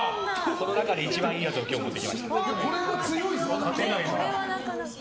その中で一番いいやつを今日持ってきました。